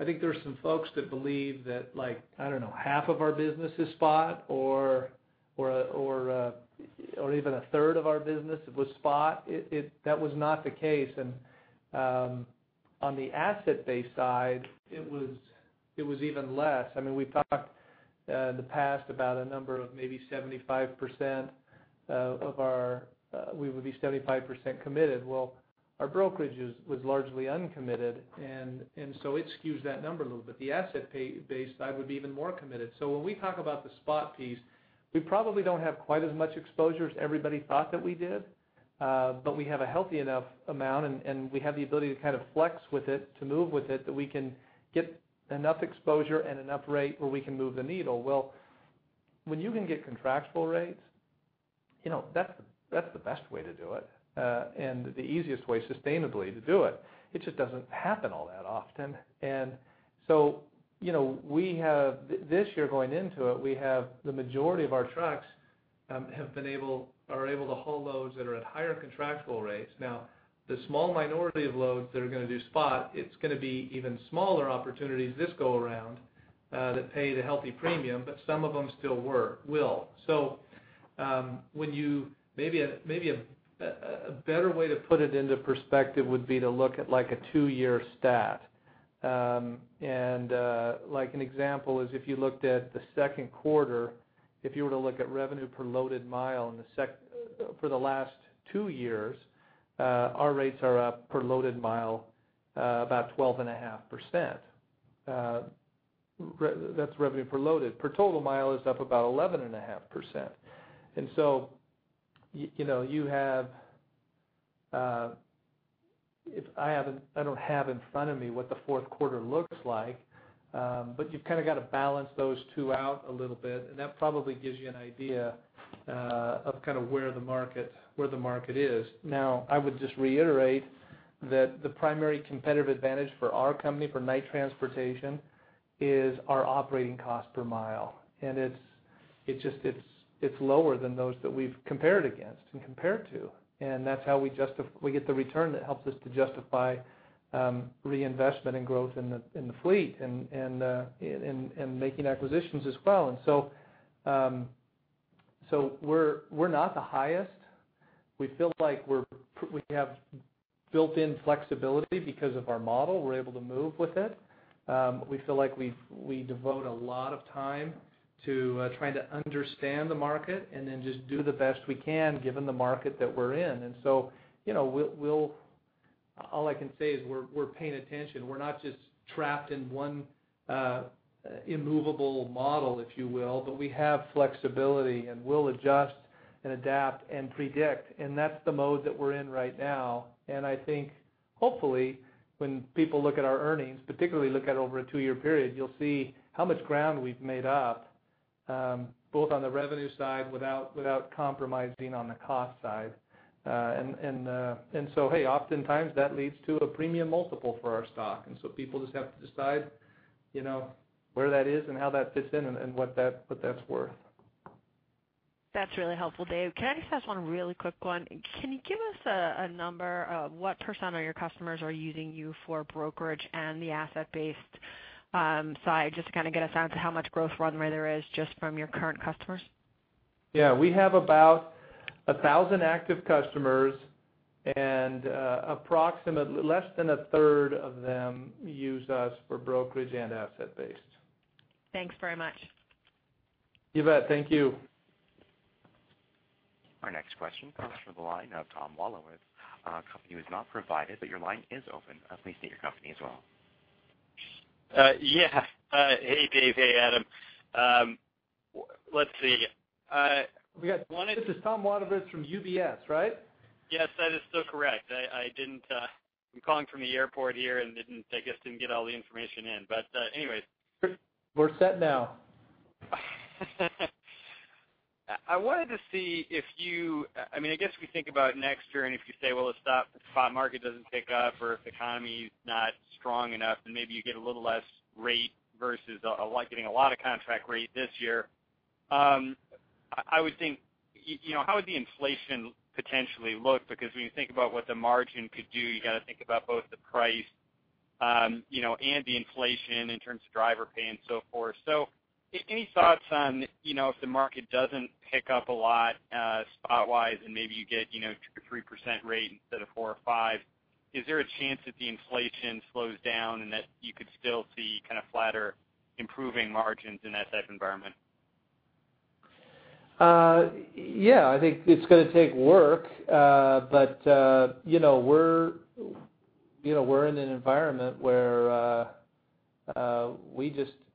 I think there are some folks that believe that, like, I don't know, half of our business is spot or even a third of our business was spot. That was not the case. On the asset-based side, it was even less. I mean, we talked in the past about a number of maybe 75% of our we would be 75% committed. Well, our brokerage was largely uncommitted, and so it skews that number a little bit. The asset-based side would be even more committed. So when we talk about the spot piece, we probably don't have quite as much exposure as everybody thought that we did. But we have a healthy enough amount, and we have the ability to kind of flex with it, to move with it, that we can get enough exposure and enough rate where we can move the needle. Well, when you can get contractual rates, you know, that's, that's the best way to do it, and the easiest way sustainably to do it. It just doesn't happen all that often. And so, you know, we have, this year going into it, we have the majority of our trucks, have been able, are able to haul loads that are at higher contractual rates. Now, the small minority of loads that are going to do spot, it's going to be even smaller opportunities this go around, that pay the healthy premium, but some of them still were, will. So, maybe a better way to put it into perspective would be to look at like a two-year stat. And, like an example is if you looked at the second quarter, if you were to look at revenue per loaded mile in the second for the last two years, our rates are up per loaded mile, about 12.5%. That's revenue per loaded. Per total mile is up about 11.5%. And so, you know, you have, if I don't have in front of me what the fourth quarter looks like, but you've kind of got to balance those two out a little bit, and that probably gives you an idea of kind of where the market, where the market is. Now, I would just reiterate that the primary competitive advantage for our company, for Knight Transportation, is our operating cost per mile. And it's just lower than those that we've compared against and compared to. And that's how we get the return that helps us to justify reinvestment and growth in the fleet and making acquisitions as well. And so, we're not the highest. We feel like we have built-in flexibility because of our model. We're able to move with it. We feel like we've, we devote a lot of time to, trying to understand the market and then just do the best we can, given the market that we're in. And so, you know, we'll, we'll, all I can say is we're, we're paying attention. We're not just trapped in one, immovable model, if you will, but we have flexibility, and we'll adjust and adapt and predict, and that's the mode that we're in right now. And I think, hopefully, when people look at our earnings, particularly look at over a two-year period, you'll see how much ground we've made up, both on the revenue side without, without compromising on the cost side. And, and, and so, hey, oftentimes, that leads to a premium multiple for our stock. People just have to decide, you know, where that is and how that fits in and what that's worth. That's really helpful, Dave. Can I just ask one really quick one? Can you give us a number of what percent of your customers are using you for brokerage and the asset-based side, just to kind of get a sense of how much growth runway there is just from your current customers? Yeah. We have about 1,000 active customers, and approximately less than a third of them use us for brokerage and asset-based. Thanks very much. You bet, thank you. Our next question comes from the line of Tom Wadewitz. Company was not provided, but your line is open. Please state your company as well. Yeah. Hey, Dave. Hey, Adam. Let's see, we got one- Hi. This is Tom Wadewitz from UBS, right? Yes, that is still correct. I didn't. I'm calling from the airport here, and I guess didn't get all the information in. But, anyways. We're set now. I wanted to see if you I mean, I guess if we think about next year, and if you say, well, the spot market doesn't pick up, or if the economy is not strong enough, then maybe you get a little less rate versus a lot, getting a lot of contract rate this year. I would think, you know, how would the inflation potentially look? Because when you think about what the margin could do, you gotta think about both the price, you know, and the inflation in terms of driver pay and so forth. Any thoughts on, you know, if the market doesn't pick up a lot, spot-wise, and maybe you get, you know, 2%-3% rate instead of 4% or 5%, is there a chance that the inflation slows down, and that you could still see kind of flatter, improving margins in that type of environment? Yeah, I think it's gonna take work, but, you know, we're, you know, we're in an environment where, we just, we,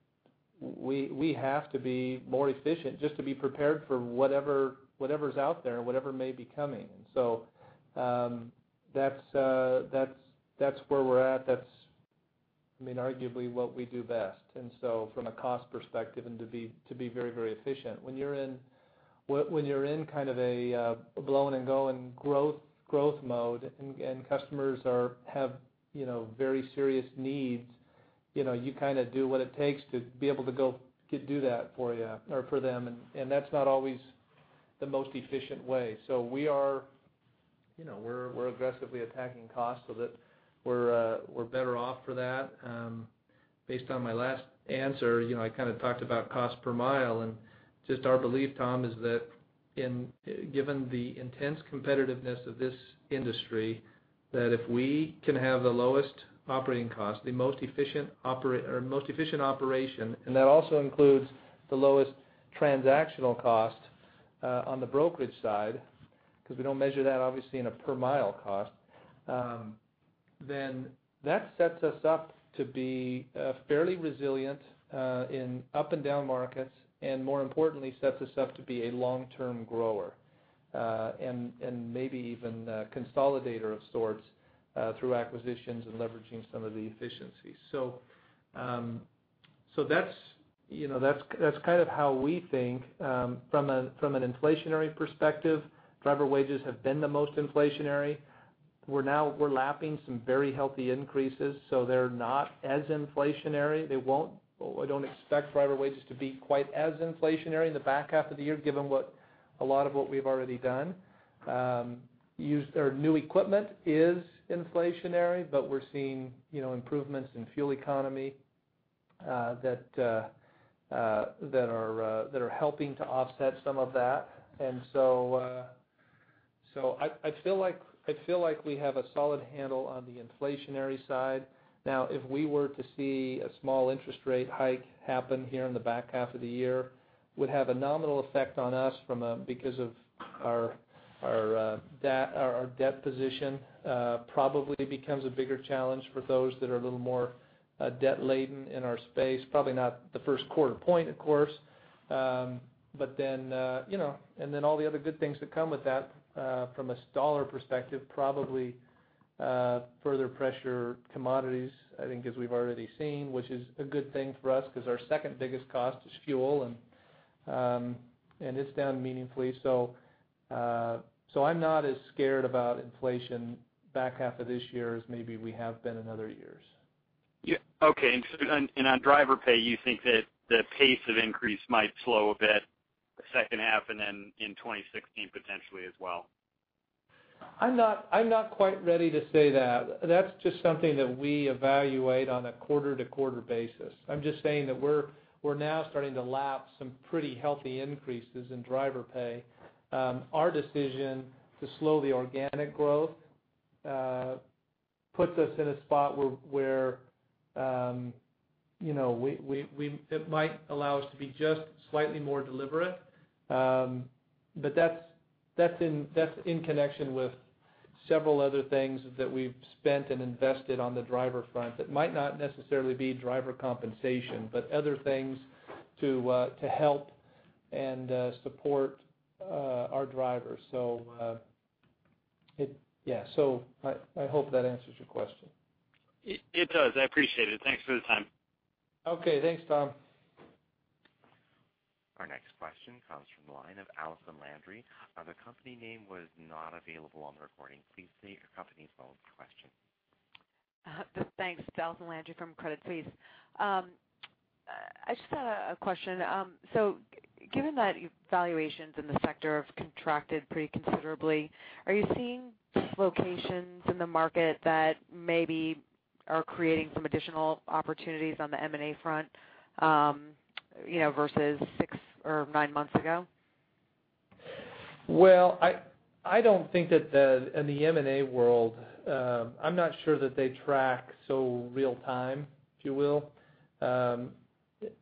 we have to be more efficient just to be prepared for whatever, whatever's out there and whatever may be coming. So, that's, that's where we're at. That's, I mean, arguably what we do best, and so from a cost perspective and to be, to be very, very efficient. When you're in, when, when you're in kind of a, a blow and go and growth, growth mode, and, and customers are, have, you know, very serious needs, you know, you kind of do what it takes to be able to go, to do that for you, or for them. And, and that's not always the most efficient way. So we are, you know, we're aggressively attacking costs so that we're better off for that. Based on my last answer, you know, I kind of talked about cost per mile, and just our belief, Tom, is that in, given the intense competitiveness of this industry, that if we can have the lowest operating cost, the most efficient operation, and that also includes the lowest transactional cost on the brokerage side, because we don't measure that, obviously, in a per mile cost, then that sets us up to be fairly resilient in up and down markets, and more importantly, sets us up to be a long-term grower and maybe even a consolidator of sorts through acquisitions and leveraging some of the efficiencies. So that's, you know, that's kind of how we think. From an inflationary perspective, driver wages have been the most inflationary. We're now lapping some very healthy increases, so they're not as inflationary. They won't, I don't expect driver wages to be quite as inflationary in the back half of the year, given a lot of what we've already done. Used or new equipment is inflationary, but we're seeing, you know, improvements in fuel economy that are helping to offset some of that. So I feel like we have a solid handle on the inflationary side. Now, if we were to see a small interest rate hike happen here in the back half of the year, would have a nominal effect on us from a, because of our, our, debt, our debt position, probably becomes a bigger challenge for those that are a little more, debt laden in our space. Probably not the first quarter point, of course. But then, you know, and then all the other good things that come with that, from a dollar perspective, probably, further pressure commodities, I think, as we've already seen, which is a good thing for us because our second biggest cost is fuel, and, and it's down meaningfully. So, so I'm not as scared about inflation back half of this year as maybe we have been in other years. Yeah. Okay. And so, on driver pay, you think that the pace of increase might slow a bit the second half and then in 2016 potentially as well? I'm not quite ready to say that. That's just something that we evaluate on a quarter-to-quarter basis. I'm just saying that we're now starting to lap some pretty healthy increases in driver pay. Our decision to slow the organic growth puts us in a spot where you know it might allow us to be just slightly more deliberate. But that's in connection with several other things that we've spent and invested on the driver front, that might not necessarily be driver compensation, but other things to help and support our drivers. So, yeah, I hope that answers your question. It, it does. I appreciate it. Thanks for the time. Okay, thanks, Tom. Our next question comes from the line of Allison Landry. The company name was not available on the recording. Please state your company's name when you ask the question. Thanks. It's Allison Landry from Credit Suisse. I just had a question. So given that valuations in the sector have contracted pretty considerably, are you seeing locations in the market that maybe are creating some additional opportunities on the M&A front, you know, versus 6 or 9 months ago? Well, I don't think that the, in the M&A world, I'm not sure that they track so real time, if you will.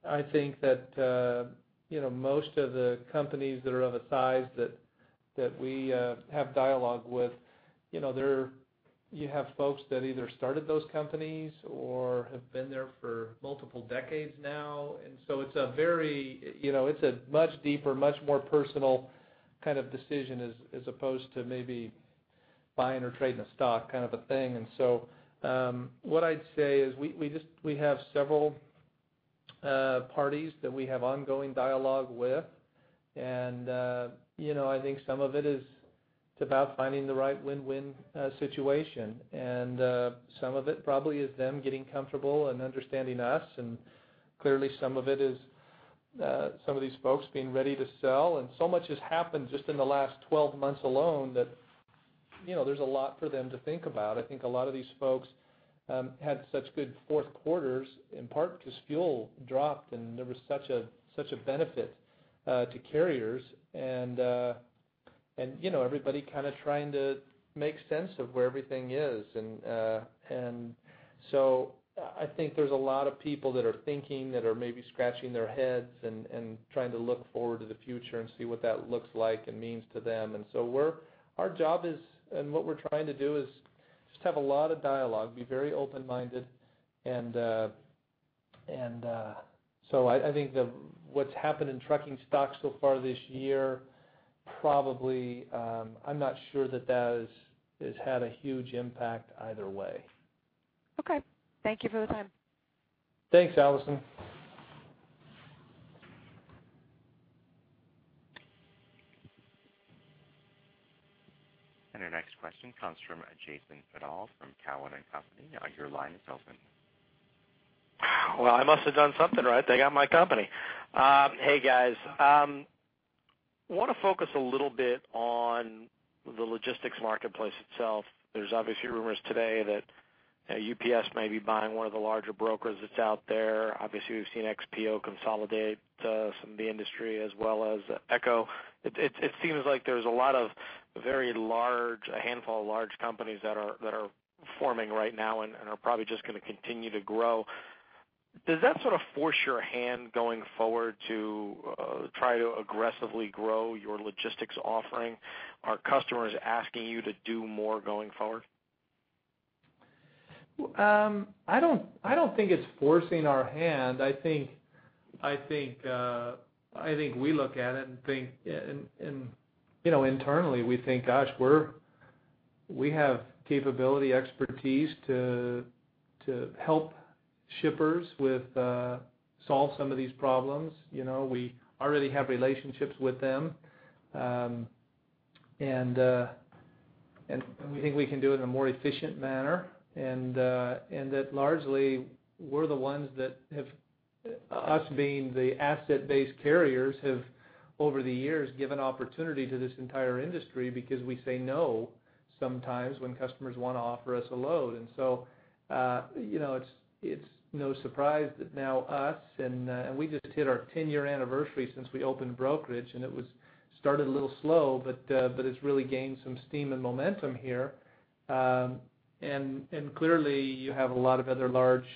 I think that, you know, most of the companies that are of a size that we have dialogue with, you know, there, you have folks that either started those companies or have been there for multiple decades now, and so it's a very, you know, it's a much deeper, much more personal kind of decision, as opposed to maybe buying or trading a stock kind of a thing. And so, what I'd say is we just have several parties that we have ongoing dialogue with. And, you know, I think some of it is about finding the right win-win situation. And, some of it probably is them getting comfortable and understanding us, and clearly, some of it is, some of these folks being ready to sell. And so much has happened just in the last 12 months alone, that, you know, there's a lot for them to think about. I think a lot of these folks, had such good fourth quarters, in part because fuel dropped, and there was such a, such a benefit, to carriers. And, and, you know, everybody kind of trying to make sense of where everything is. And, and so I think there's a lot of people that are thinking, that are maybe scratching their heads and, and trying to look forward to the future and see what that looks like and means to them. So our job is, and what we're trying to do, is just have a lot of dialogue, be very open-minded. So I think what's happened in trucking stocks so far this year, probably, I'm not sure that that has had a huge impact either way. Okay. Thank you for the time. Thanks, Allison. Our next question comes from Jason Seidl from Cowen and Company. Now, your line is open. Well, I must have done something right. They got my company. Hey, guys. I want to focus a little bit on the logistics marketplace itself. There's obviously rumors today that UPS may be buying one of the larger brokers that's out there. Obviously, we've seen XPO consolidate some of the industry as well as Echo. It seems like there's a lot of very large, a handful of large companies that are forming right now and are probably just going to continue to grow. Does that sort of force your hand, going forward, to try to aggressively grow your logistics offering? Are customers asking you to do more going forward? I don't, I don't think it's forcing our hand. I think, I think, I think we look at it and think, you know, internally, we think, gosh, we're, we have capability, expertise to help shippers with, solve some of these problems. You know, we already have relationships with them. And we think we can do it in a more efficient manner, and that largely, we're the ones that have, us being the asset-based carriers, have, over the years, given opportunity to this entire industry because we say no sometimes when customers want to offer us a load. And so, you know, it's no surprise that now us and we just hit our 10-year anniversary since we opened brokerage, and it was started a little slow, but it's really gained some steam and momentum here. And clearly, you have a lot of other large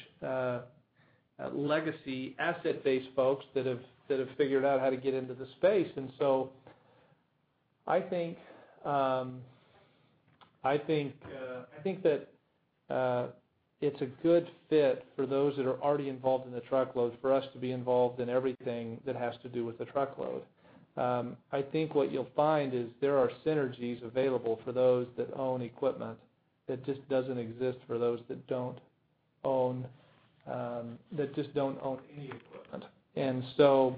legacy asset-based folks that have figured out how to get into the space. And so I think it's a good fit for those that are already involved in the truckload, for us to be involved in everything that has to do with the truckload. I think what you'll find is there are synergies available for those that own equipment that just doesn't exist for those that don't own any equipment. And so,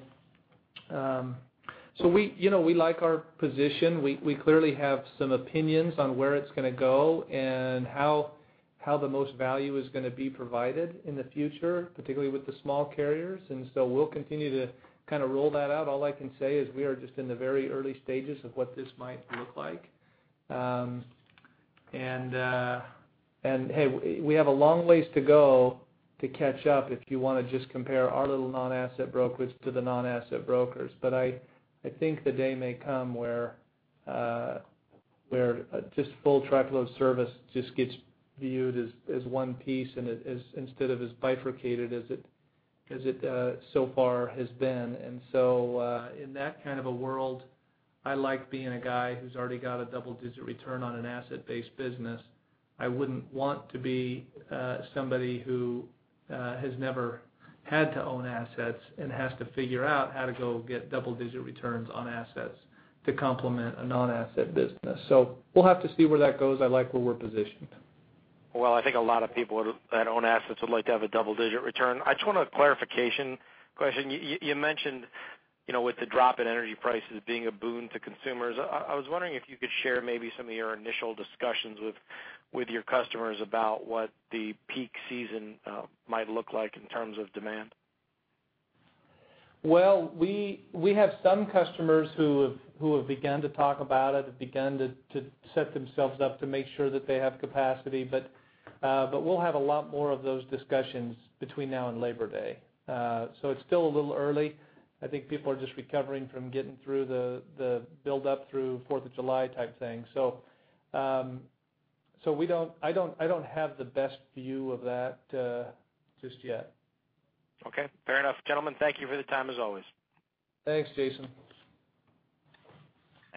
so we, you know, we like our position. We, we clearly have some opinions on where it's going to go and how, how the most value is going to be provided in the future, particularly with the small carriers, and so we'll continue to kind of roll that out. All I can say is we are just in the very early stages of what this might look like. And, and, hey, we have a long ways to go to catch up, if you want to just compare our little non-asset brokerage to the non-asset brokers. But I, I think the day may come where, where just full truckload service just gets viewed as, as one piece and it is, instead of as bifurcated as it, as it, so far has been. In that kind of a world, I like being a guy who's already got a double-digit return on an asset-based business. I wouldn't want to be somebody who has never had to own assets and has to figure out how to go get double-digit returns on assets to complement a non-asset business. So we'll have to see where that goes. I like where we're positioned. Well, I think a lot of people that own assets would like to have a double-digit return. I just want a clarification question. You mentioned, you know, with the drop in energy prices being a boon to consumers, I was wondering if you could share maybe some of your initial discussions with your customers about what the peak season might look like in terms of demand. Well, we have some customers who have begun to talk about it and begun to set themselves up to make sure that they have capacity. But, but we'll have a lot more of those discussions between now and Labor Day. So it's still a little early. I think people are just recovering from getting through the build-up through Fourth of July type thing. So, so we don't, I don't have the best view of that, just yet. Okay, fair enough. Gentlemen, thank you for the time, as always. Thanks, Jason.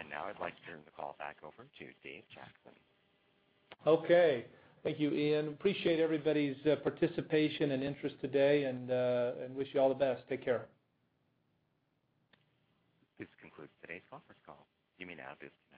Now I'd like to turn the call back over to Dave Jackson. Okay. Thank you, Ian. Appreciate everybody's participation and interest today, and wish you all the best. Take care. This concludes today's conference call. You may now disconnect.